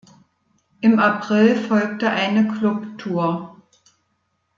Im April folgte eine Club-Tour.